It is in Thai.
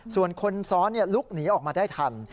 ส่วนคนซ้อนลุกหนีออกมาได้ทัน